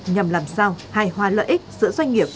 nhằm làm sao hài hòa lợi ích giữa doanh nghiệp